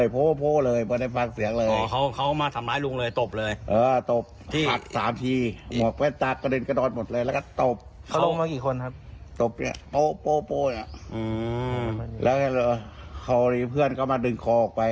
โป้เนี่ยแล้วเขาลีเพื่อนก็มาดึงคอออกไป